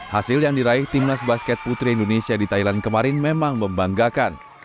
hasil yang diraih timnas basket putri indonesia di thailand kemarin memang membanggakan